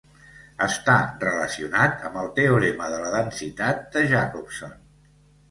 Està relacionat amb el teorema de la densitat de Jacobson.